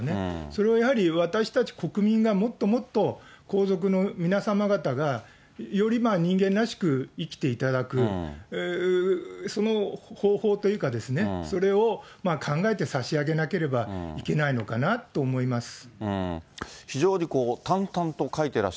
それはやはり私たち国民がもっともっと、皇族の皆様方が、より人間らしく生きていただく、その方法というか、それを考えて差し上げなければいけないのかなと思います。